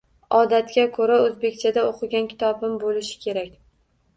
Odatga koʻra, oʻzbekchada oʻqigan kitobim boʻlishi kerak